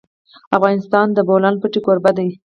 افغانستان د د بولان پټي کوربه دی.